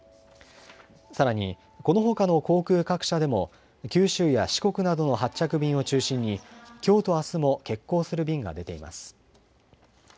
さらにこのほかの航空各社でも九州や四国などの発着便を中心にきょうとあすも欠航する便が出ています。